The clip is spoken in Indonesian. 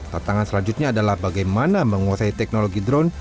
tantangan selanjutnya adalah bagaimana menguasai teknologi drone